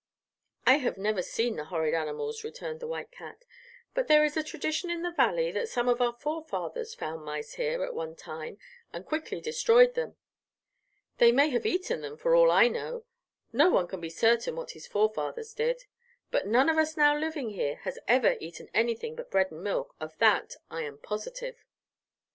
"I have never seen the horrid animals," returned the white cat; "but there is a tradition in the Valley that some of our forefathers found mice here at one time and quickly destroyed them. They may have eaten them, for all I know; no one can be certain what his forefathers did. But none of us now living here has ever eaten anything but bread and milk, of that I am positive."